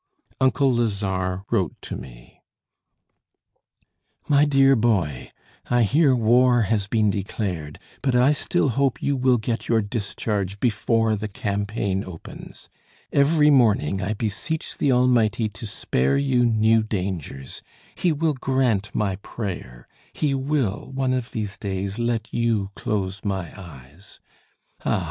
Uncle Lazare wrote to me: "My Dear Boy, I hear war has been declared; but I still hope you will get your discharge before the campaign opens. Every morning I beseech the Almighty to spare you new dangers; He will grant my prayer; He will, one of these days, let you close my eyes. "Ah!